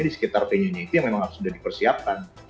di sekitar venue nya itu yang memang sudah dipersiapkan